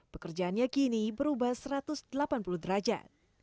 pekerjaannya kini berubah satu ratus delapan puluh derajat